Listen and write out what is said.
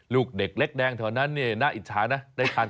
ลูกเด็กเล็กแดงเทียวนานนี่หน้าอิทธิภาคนะ